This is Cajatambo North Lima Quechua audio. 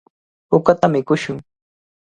Uqata mikushun.